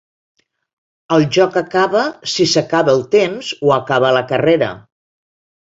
El joc acaba si s'acaba el temps o acaba la carrera.